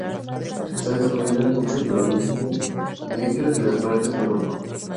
Está disponible en muchos del Oriente Medio y las partes de Europa.